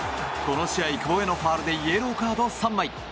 この試合、２個目のファウルでイエローカード３枚。